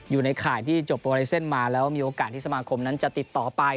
อยู่ในข่ายที่จบโปรไลเซ็นต์มาแล้วมีโอกาสที่สมาคมนั้นจะติดต่อไป